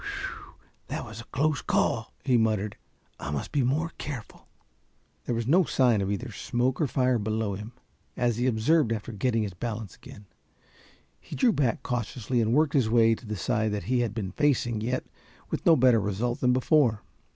"Whew! That was a close call," he muttered. "I must be more careful." There was no sign of either smoke or fire below him, as he observed after getting his balance again. He drew back cautiously and worked his way to the side that he had been facing, yet with no better result than before.